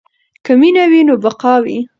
که مینه وي نو بقا وي.